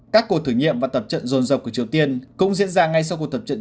các cuộc thử nghiệm và tập trận rồn rập của triều tiên cũng diễn ra ngay sau cuộc tập trận